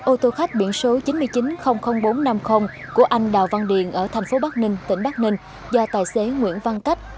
ô tô khách biển số chín triệu chín trăm linh nghìn bốn trăm năm mươi của anh đào văn điền ở tp bắc ninh tỉnh bắc ninh do tài xế nguyễn văn cách